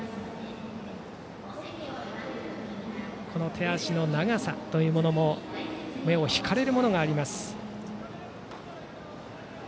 手足の長さというものも目を引かれるものがあります。